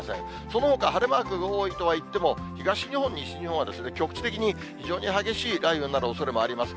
そのほか、晴れマークが多いとはいっても、東日本、西日本は局地的に非常に激しい雷雨になるおそれもあります。